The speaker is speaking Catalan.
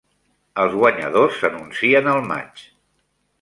Els guanyadors s'anuncien al maig.